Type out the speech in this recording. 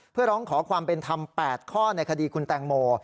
เพื่อร้องขอความเป็นธรรม๘ข้อในคดีคุณแตงโม